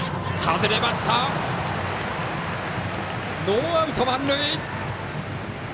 ノーアウト満塁！